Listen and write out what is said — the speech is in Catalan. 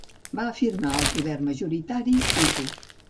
Va afirmar el poder majoritari hutu.